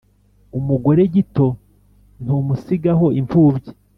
Umugore gito ntumusigaho impfubyi.